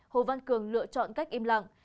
hồ văn cường lựa chọn cách im lặng